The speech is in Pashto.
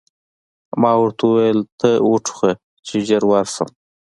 ما ورته وویل: ته و ټوخه، چې ژر ورشم.